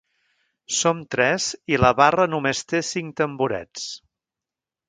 Som tres i la barra només té cinc tamborets.